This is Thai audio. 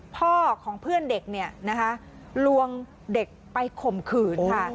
พ่อของเพื่อนเด็กเนี่ยนะคะลวงเด็กไปข่มขืนค่ะ